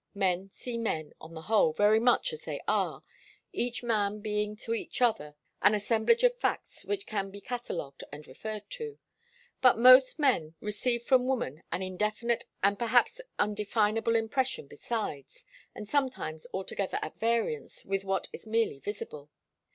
Men see men, on the whole, very much as they are, each man being to each other an assemblage of facts which can be catalogued and referred to. But most men receive from woman an indefinite and perhaps undefinable impression, besides, and sometimes altogether at variance with what is merely visible.